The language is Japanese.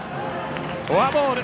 フォアボール。